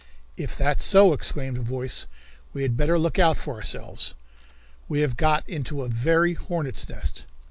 "If that's so," exclaimed a voice, "we had better look out for ourselves! We have got into a very hornet's nest!